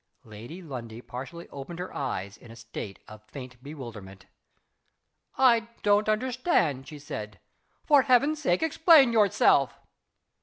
Lady Lundie partially opened her eyes in a state of faint bewilderment. "I don't understand," she said. "For Heaven's sake explain yourself!"